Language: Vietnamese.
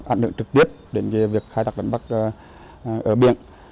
ảnh hưởng trực tiếp đến việc khai thác đánh bắt ở biển